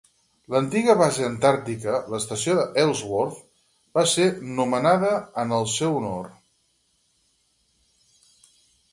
L'antiga base antàrtica, l'estació Ellsworth, va ser nomenada en el seu honor.